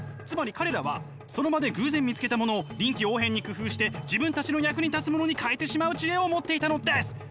つまり彼らはその場で偶然見つけたものを臨機応変に工夫して自分たちの役に立つものに変えてしまう知恵を持っていたのです！